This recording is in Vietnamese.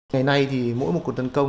ngày nay thì mỗi một cuộc tấn công